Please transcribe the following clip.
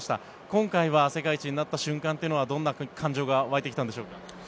今回は世界一になった瞬間というのはどんな感情が湧いてきたんでしょうか。